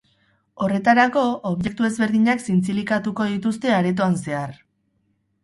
Horretarako, objektu ezberdinak zintzilikatuko dituzte aretoan zehar.